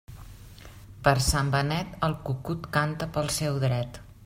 Per Sant Benet, el cucut canta pel seu dret.